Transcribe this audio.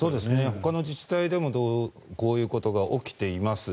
ほかの自治体でもこういうことが起きています。